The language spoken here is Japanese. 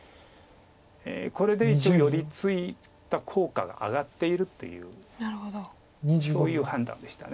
これで一応寄り付いた効果が上がっているというそういう判断でした。